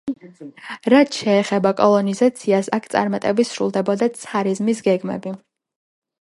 რაც შეეხება კოლონიზაციას, აქ წარმატებით სრულდებოდა ცარიზმის გეგმები.